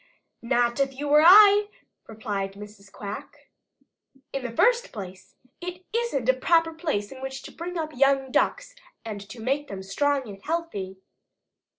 "Not if you were I," replied Mrs. Quack. "In the first place it isn't a proper place in which to bring up young Ducks and make them strong and healthy.